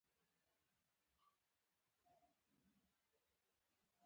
انا د خپل عمر کیسې کوي